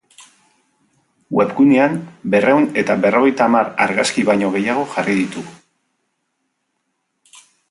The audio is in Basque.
Webgunean, berrehun eta berrogeita hamar argazki baino gehiago jarri ditugu.